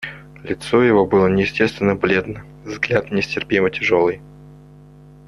Лицо его было неестественно бледно, взгляд нестерпимо тяжелый.